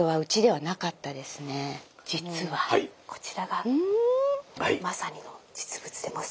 実はこちらがまさに実物です。